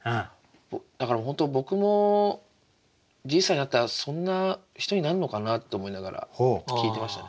だから本当僕もじいさんになったらそんな人になんのかなって思いながら聞いてましたね。